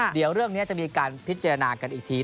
เดี๋ยวเรื่องนี้จะมีการพิจารณากันอีกที